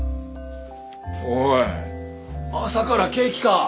おい朝からケーキか。